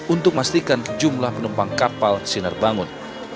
untuk memastikan jumlah penumpang kapal sinar bangun